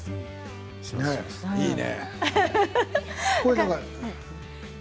いいね。